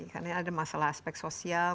karena ada masalah aspek sosial